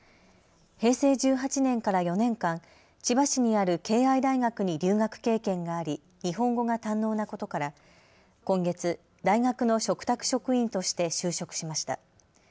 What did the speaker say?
平成１８年から４年間千葉市にある敬愛大学に留学経験があり、日本語が堪能なことから、今月、大学の嘱託職員として就職しました。